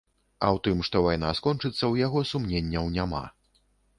А ў тым, што вайна скончыцца, у яго сумненняў няма.